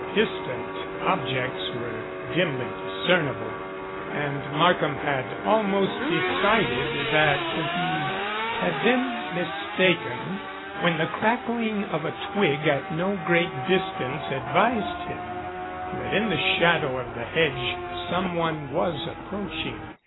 Distant objects were dimly discernible, and Markham had almost decided that he had been mis taken when the crackling of a twig at no great distance advised him that in the shadow of the hedge someone was approaching.